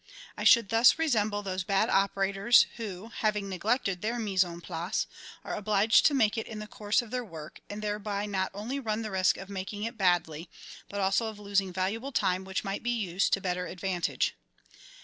I should thus resemble those bad operators who, having neglected their mise en place, are obliged to make it in the course of other work, and thereby not only run the risk of making it badly, but also of losing valuable time which might be used to better advantage.